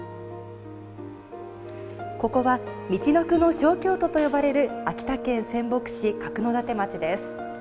ここはみちのくの小京都と呼ばれる秋田県仙北市角館町です。